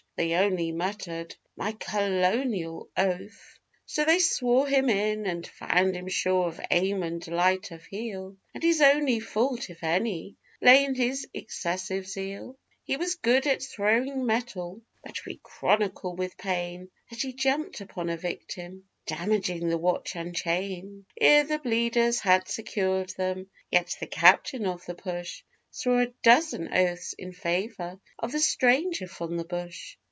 They only muttered 'My kerlonial oath!' So they swore him in, and found him sure of aim and light of heel, And his only fault, if any, lay in his excessive zeal; He was good at throwing metal, but we chronicle with pain That he jumped upon a victim, damaging the watch and chain, Ere the Bleeders had secured them; yet the captain of the push Swore a dozen oaths in favour of the stranger from the bush.